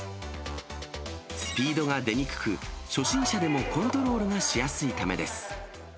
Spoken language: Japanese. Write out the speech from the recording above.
スピードが出にくく、初心者でもコントロールがしやすいためです。